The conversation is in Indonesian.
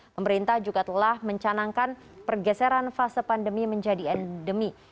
pemerintah juga telah mencanangkan pergeseran fase pandemi menjadi endemi